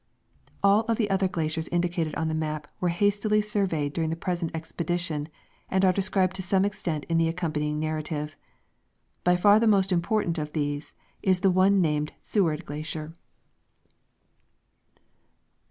f All of the other glaciers indicated on the map were hastily surveyed during the present expedition and are described to some extent in the accompanying narrative. By far the most important of these is the one named the Seward Glacier.